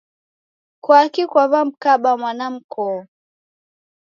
kwaki kwaw'amkaba mwana mkoo?